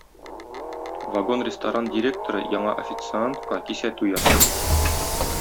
Вагон-ресторан директоры яңа официантка кисәтү ясый